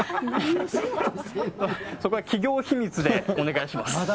そこは企業秘密でお願いします。